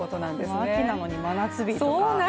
もう秋なのに真夏日と。